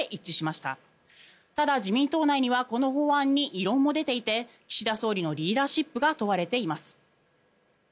ただ、自民党内にはこの法案に異論も出ていて岸田総理のリーダーシップが問われています。